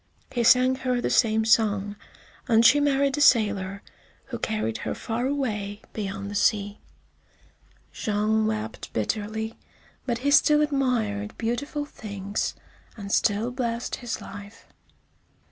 He sang her the same song, and she married a sailor who carried her far away beyond the sea. Jean wept bitterly, but he still admired beautiful things, and still blessed his life.